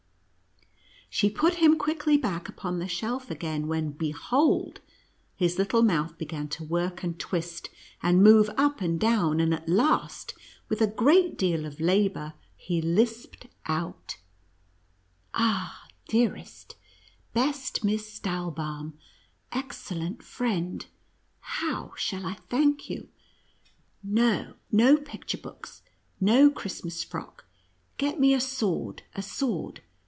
She put him quickly back upon the shelf again, when — behold !— his little mouth began to work and twist, and move up and down, and at last, with a great deal of labor, he lisped out : "Ah, dearest, best Miss Stahlbaum — excellent friend, how shall I thank you? No ! no picture books, no Christmas frock !— Get me a sword — a sword.